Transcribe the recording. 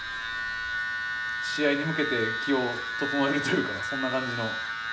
試合に向けて気を整えるというかそんな感じの。